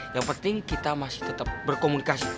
yang penting kita masih tetap berkomunikasi